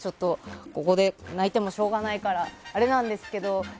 ここで泣いてもしょうがないからあれなんですけど。